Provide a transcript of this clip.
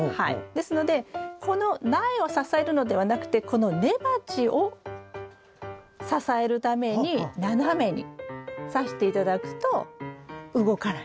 ですのでこの苗を支えるのではなくてこの根鉢を支えるために斜めにさして頂くと動かない。